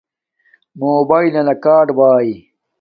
موباݵلنا کاڈ باݵ